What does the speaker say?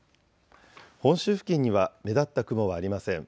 本州付近には目立った雲はありません。